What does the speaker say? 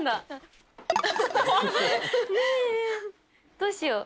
どうしよう？